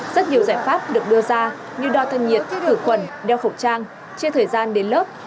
rất nhiều giải pháp được đưa ra như đo thân nhiệt khử khuẩn đeo khẩu trang chia thời gian đến lớp